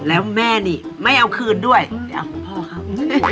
แล้วแม่นี่ไม่เอาคืนด้วยของพ่อครับ